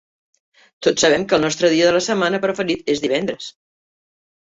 Tots sabem que el nostre dia de la setmana preferit és divendres.